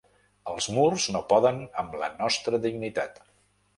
Els murs no poden amb la vostra dignitat.